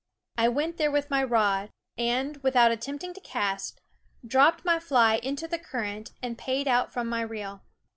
I went there with my rod and, without attempt >,,, j n when You Meef mg to cast, dropped my fly into the current and paid out from my reel.